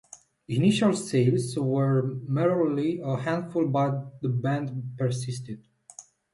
Initial sales were merely a handful but the band persisted.